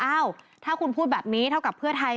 อ้าวถ้าคุณพูดแบบนี้เท่ากับเพื่อไทย